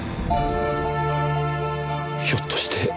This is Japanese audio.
ひょっとして。